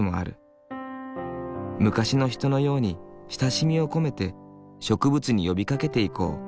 昔の人のように親しみを込めて植物に呼びかけていこう。